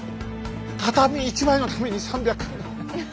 畳１枚のために３００！